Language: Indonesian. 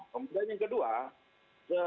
kemudian yang kedua